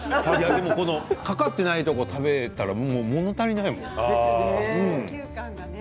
でもかかっていないところを食べたらもの足りない感じがする。